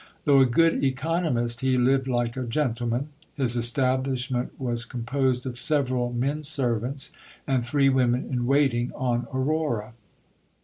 Though a good economist, he lived like a gentleman. His establishment wa's composed of several men servants, and three women in waiting on Aurora.